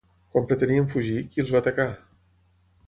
Quan pretenien fugir, qui els va atacar?